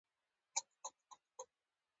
لوگر د افغانستان د سیلګرۍ برخه ده.